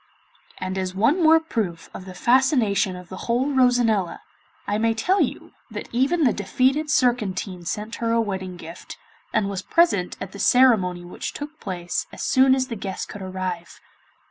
And as one more proof of the fascination of the whole Rosanella, I may tell you that even the defeated Surcantine sent her a wedding gift, and was present at the ceremony which took place as soon as the guests could arrive.